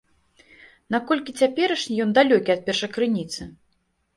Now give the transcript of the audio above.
Наколькі цяперашні ён далёкі ад першакрыніцы?